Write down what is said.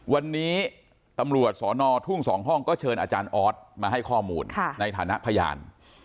วันนี้ตำรวจสอนอทุ่ง๒ห้องก็เชิญอาจารย์ออสมาให้ข้อมูลในฐานะพยาน